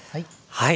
はい。